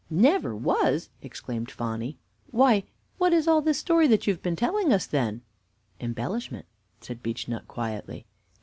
"Never was!" exclaimed Phonny. "Why, what is all this story that you have been telling us, then?" "Embellishment," said Beechnut quietly.